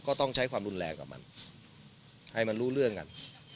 ก็ต้องใช้ความรุนแรงกับมันให้มันรู้เรื่องกัน